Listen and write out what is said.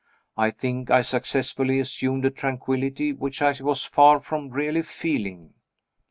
I think I successfully assumed a tranquillity which I was far from really feeling.